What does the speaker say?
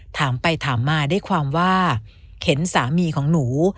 ถามไปถามมาด้วยความว่าเห็นสามีของหนู